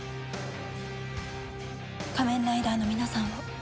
仮面ライダーの皆さんを。